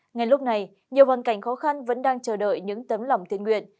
ngay lúc này nhiều hoàn cảnh khó khăn vẫn đang chờ đợi những tấm lòng thiện nguyện